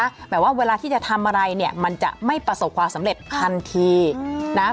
หมายว่าเวลาที่จะทำอะไรเนี่ยมันจะไม่ประสบความสำเร็จทันทีนะครับ